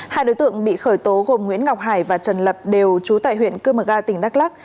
hai đối tượng bị khởi tố gồm nguyễn ngọc hải và trần lập đều trú tại huyện cương mực a tỉnh đắk lắc